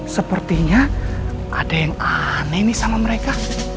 sepertinya ada yang aneh nih sama mereka